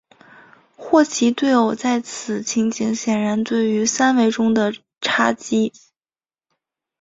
霍奇对偶在此情形显然对应于三维中的叉积。